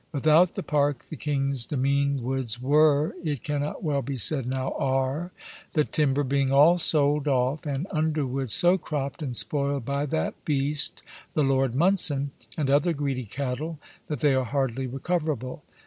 Without the Park the King's demesne woods were, it cannot well be said now are, the timber being all sold off, and underwoods so cropt and spoiled by that beast the Lord Munson, and other greedy cattle, that they are hardly recoverable.